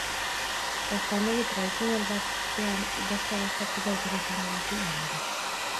Gaztandegi tradizional batean gazta dastatzeko aukera izango duzu, gainera